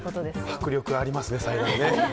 迫力ありますね、祭壇ね。